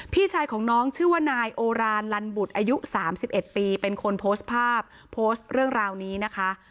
พี่ชายของน้องชื่อว่านายโอรานลันบุตรอายุ๓๑ปีเป็นคนโพสต์ภาพโพสต์เรื่องราวนี้นะคะ